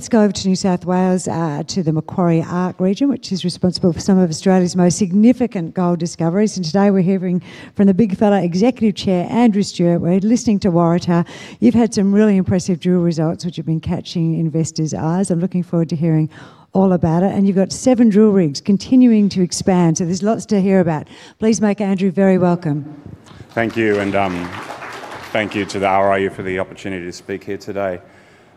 Let's go over to New South Wales, to the Macquarie Arc region, which is responsible for some of Australia's most significant gold discoveries, and today we're hearing from the Big Fella Executive Chair, Andrew Stewart. We're listening to Waratah. You've had some really impressive drill results, which have been catching investors' eyes. I'm looking forward to hearing all about it, and you've got seven drill rigs continuing to expand, so there's lots to hear about. Please make Andrew very welcome. Thank you, and thank you to the RIU for the opportunity to speak here today.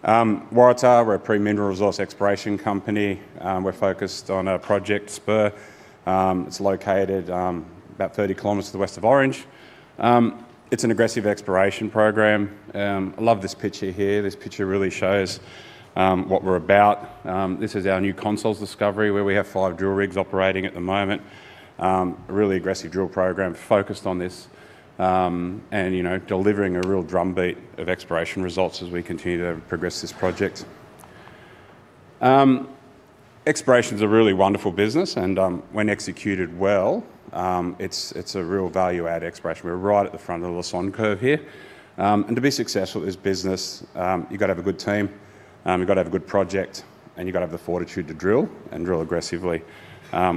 Waratah, we're a pre-mineral resource exploration company. We're focused on our project, Spur. It's located about 30 km to the west of Orange. It's an aggressive exploration program. I love this picture here. This picture really shows what we're about. This is our new Consols discovery, where we have five drill rigs operating at the moment. A really aggressive drill program focused on this, and, you know, delivering a real drumbeat of exploration results as we continue to progress this project. Exploration's a really wonderful business, and when executed well, it's a real value-add exploration. We're right at the front of the Lassonde Curve here. And to be successful at this business, you've got to have a good team, you've got to have a good project, and you've got to have the fortitude to drill and drill aggressively.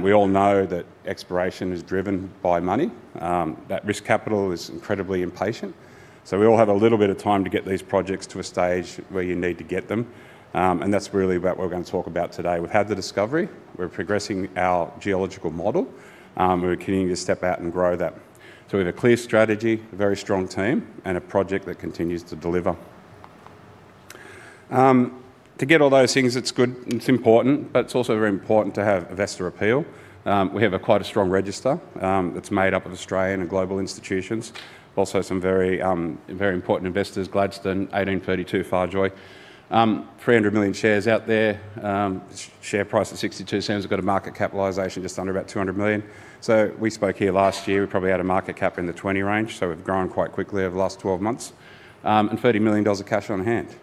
We all know that exploration is driven by money, that risk capital is incredibly impatient, so we all have a little bit of time to get these projects to a stage where you need to get them. And that's really what we're going to talk about today. We've had the discovery, we're progressing our geological model, we're continuing to step out and grow that. So we have a clear strategy, a very strong team, and a project that continues to deliver. To get all those things, it's good, it's important, but it's also very important to have investor appeal. We have quite a strong register that's made up of Australian and global institutions, also some very, very important investors, Gladstone, 1832, Farjoy. 300 million shares out there. Share price of 0.62. We've got a market capitalization just under about 200 million. So we spoke here last year, we probably had a market cap in the 20 million range, so we've grown quite quickly over the last 12 months, and 30 million dollars of cash on hand.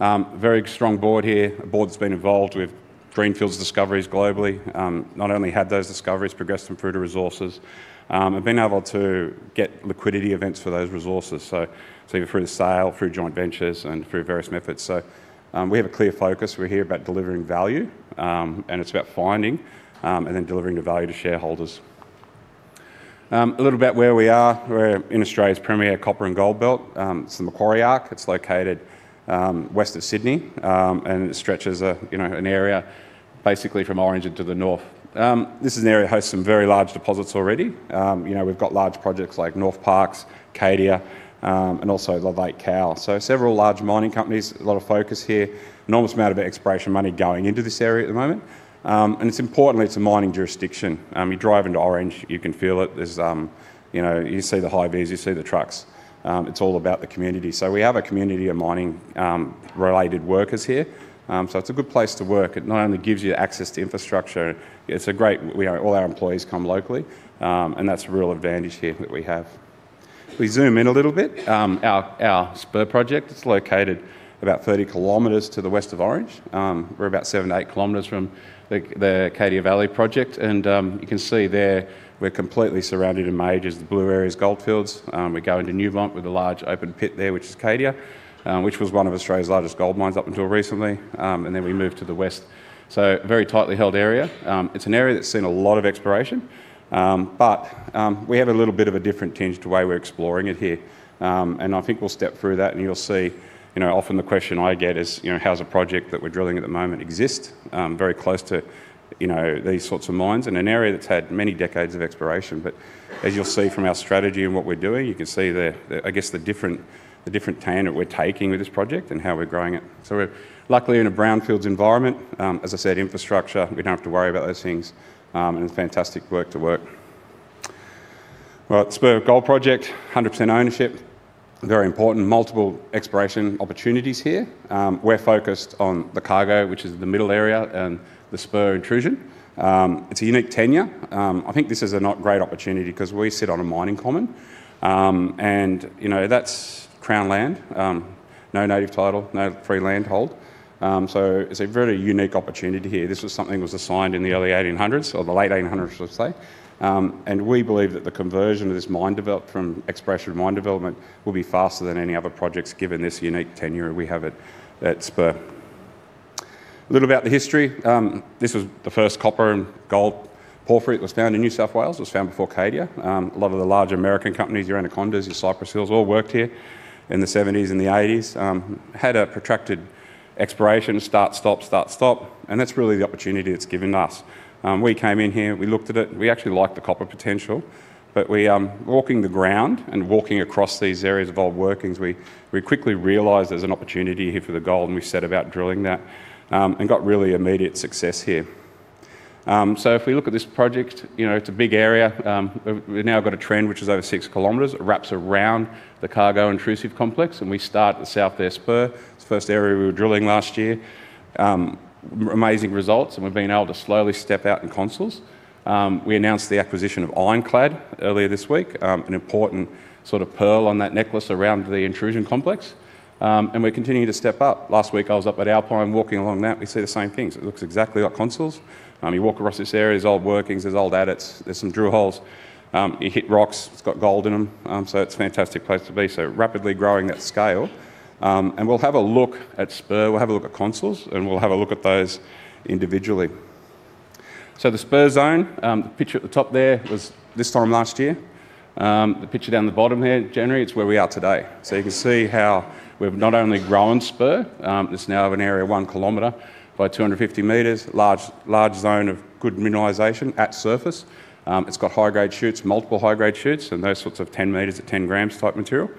Very strong board here, a board that's been involved with greenfields discoveries globally. Not only had those discoveries, progressed them through to resources, and been able to get liquidity events for those resources, so either through the sale, through joint ventures, and through various methods. So, we have a clear focus. We're here about delivering value, and it's about finding, and then delivering the value to shareholders. A little about where we are. We're in Australia's premier copper and gold belt. It's the Macquarie Arc. It's located west of Sydney, and it stretches, you know, an area basically from Orange into the north. This is an area that hosts some very large deposits already. You know, we've got large projects like Northparkes, Cadia, and also Cowal. So several large mining companies, a lot of focus here, enormous amount of exploration money going into this area at the moment. And it's importantly, it's a mining jurisdiction. You drive into Orange, you can feel it. There's, you know, you see the hi-vis, you see the trucks. It's all about the community. We have a community of mining-related workers here. It's a good place to work. It not only gives you access to infrastructure, it's great. All our employees come locally, and that's a real advantage here that we have. If we zoom in a little bit, our Spur Project is located about 30 km to the west of Orange. We're about 7-8 km from the Cadia Valley project, and you can see there, we're completely surrounded in majors. The blue area is Gold Fields. We go into Newmont with a large open pit there, which is Cadia, which was one of Australia's largest gold mines up until recently, and then we move to the west. A very tightly held area. It's an area that's seen a lot of exploration, but we have a little bit of a different tinge to the way we're exploring it here. And I think we'll step through that and you'll see. You know, often the question I get is, you know, "How does a project that we're drilling at the moment exist very close to, you know, these sorts of mines in an area that's had many decades of exploration?" But as you'll see from our strategy and what we're doing, you can see the, the, I guess, the different, the different tangent we're taking with this project and how we're growing it. So we're luckily in a brownfields environment, as I said, infrastructure, we don't have to worry about those things, and it's fantastic work to work. Well, the Spur Gold Project, 100% ownership, very important. Multiple exploration opportunities here. We're focused on the Cargo, which is the middle area, and the Spur intrusion. It's a unique tenure. I think this is a great opportunity because we sit on a mining common, and, you know, that's crown land, no native title, no freehold. So it's a very unique opportunity here. This was something that was assigned in the early 1800s or the late 1800s, let's say. And we believe that the conversion of this mine development from exploration to mine development will be faster than any other projects, given this unique tenure we have at Spur. A little about the history. This was the first copper and gold porphyry. It was found in New South Wales. It was found before Cadia. A lot of the larger American companies, Anaconda, Cyprus, all worked here in the 1970s and the 1980s. Had a protracted exploration, start, stop, start, stop, and that's really the opportunity it's given us. We came in here, we looked at it, we actually liked the copper potential, but we. Walking the ground and walking across these areas of old workings, we quickly realized there's an opportunity here for the gold, and we set about drilling that, and got really immediate success here. So if we look at this project, you know, it's a big area. We've now got a trend which is over 6 km. It wraps around the Cargo intrusive complex, and we start at the south there, Spur. It's the first area we were drilling last year. Amazing results, and we've been able to slowly step out in Consols. We announced the acquisition of Ironclad earlier this week, an important sort of pearl on that necklace around the intrusion complex, and we're continuing to step up. Last week, I was up at Alpine. Walking along that, we see the same things. It looks exactly like Consols. You walk across this area, there's old workings, there's old adits, there's some drill holes. You hit rocks, it's got gold in them, so it's a fantastic place to be. So rapidly growing that scale, and we'll have a look at Spur, we'll have a look at Consols, and we'll have a look at those individually. So the Spur Zone, the picture at the top there was this time last year. The picture down the bottom here, January, it's where we are today. So you can see how we've not only grown Spur, it's now of an area 1 km by 250 m, large, large zone of good mineralization at surface. It's got high-grade shoots, multiple high-grade shoots, and those sorts of 10 m at 10 g type material.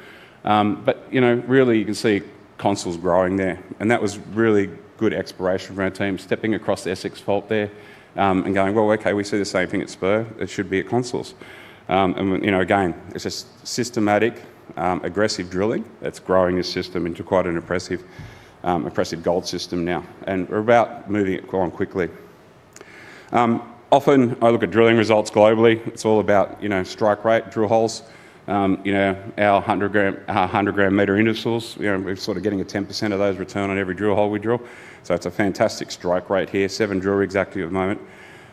But, you know, really you can see Consols growing there, and that was really good exploration from our team, stepping across the Essex Fault there, and going: "Well, okay, we see the same thing at Spur, it should be at Consols." And, you know, again, it's a systematic, aggressive drilling that's growing the system into quite an impressive, impressive gold system now, and we're about moving it quite quickly. Often I look at drilling results globally. It's all about, you know, strike rate, drill holes. You know, our 100 g, our 100 gm intervals, you know, we're sort of getting a 10% of those return on every drill hole we drill. So it's a fantastic strike rate here. Seven drill rigs active at the moment.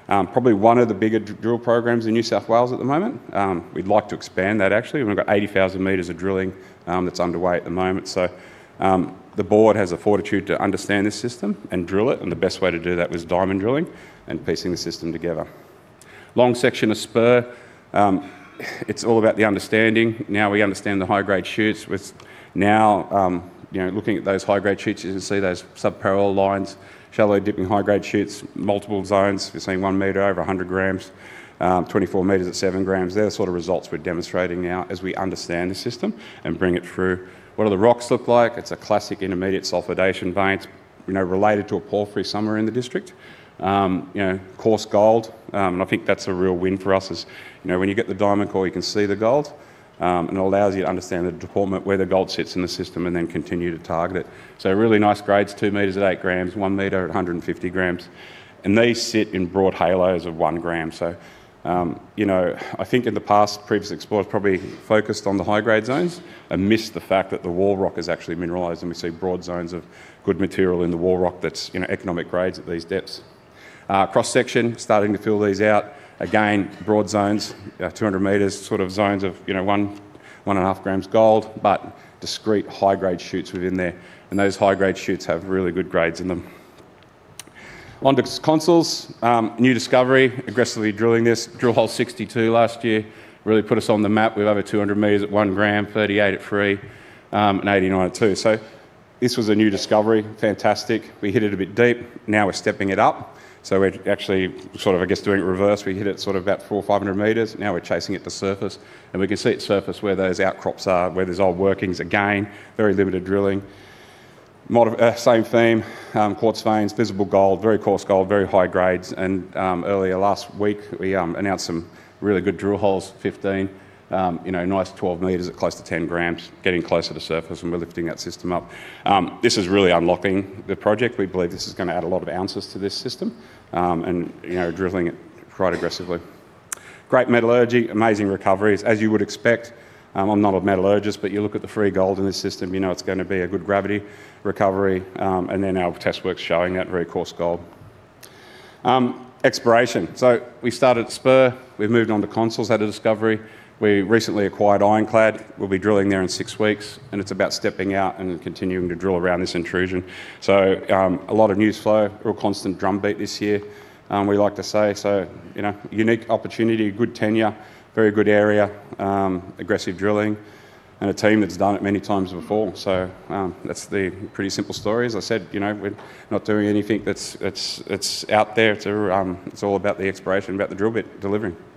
Probably one of the bigger drill programs in New South Wales at the moment. We'd like to expand that actually. We've got 80,000 m of drilling that's underway at the moment. So, the board has a fortitude to understand this system and drill it, and the best way to do that was diamond drilling and piecing the system together. Long section of Spur, it's all about the understanding. Now we understand the high-grade shoots, with now, you know, looking at those high-grade shoots, you can see those sub-parallel lines, shallow dipping, high-grade shoots, multiple zones. We're seeing 1 m over 100 g, 24 m at 7 g. They're the sort of results we're demonstrating now as we understand the system and bring it through. What do the rocks look like? It's a classic intermediate sulfidation vein, you know, related to a porphyry somewhere in the district. You know, coarse gold, and I think that's a real win for us, is, you know, when you get the diamond core, you can see the gold, and it allows you to understand the deformation where the gold sits in the system and then continue to target it. So really nice grades, 2 m at 8 g, 1 m at 150 g, and these sit in broad halos of 1 g. So, you know, I think in the past, previous explorers probably focused on the high-grade zones and missed the fact that the wall rock is actually mineralized, and we see broad zones of good material in the wall rock that's, you know, economic grades at these depths. Cross-section, starting to fill these out. Again, broad zones, 200 m, sort of zones of, you know, 1, 1.5 g gold, but discrete high-grade shoots within there, and those high-grade shoots have really good grades in them. On to Consols, new discovery, aggressively drilling this. Drill hole 62 last year really put us on the map with over 200 m at 1 g, 38 at 3, and 89 at 2. So this was a new discovery. Fantastic! We hit it a bit deep, now we're stepping it up. So we're actually sort of, I guess, doing it reverse. We hit it sort of about 400 or 500 m, now we're chasing it to surface, and we can see it surface where those outcrops are, where there's old workings. Again, very limited drilling. Same theme, quartz veins, visible gold, very coarse gold, very high grades, and earlier last week, we announced some really good drill holes, 15. You know, a nice 12 m at close to 10 g, getting closer to surface, and we're lifting that system up. This is really unlocking the project. We believe this is gonna add a lot of ounces to this system, and, you know, drilling it quite aggressively. Great metallurgy, amazing recoveries, as you would expect. I'm not a metallurgist, but you look at the free gold in this system, you know it's gonna be a good gravity recovery, and then our test work's showing that very coarse gold. Exploration. So we started Spur, we've moved on to Consols at a discovery. We recently acquired Ironclad. We'll be drilling there in six weeks, and it's about stepping out and continuing to drill around this intrusion. So, a lot of news flow, real constant drumbeat this year, we like to say. So, you know, unique opportunity, good tenure, very good area, aggressive drilling, and a team that's done it many times before. So, that's the pretty simple story. As I said, you know, we're not doing anything that's, it's out there to, it's all about the exploration, about the drill bit delivering. Thank you.